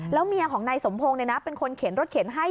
แล้วเมียของนายสมพงศ์เป็นคนเข็นรถเข็นให้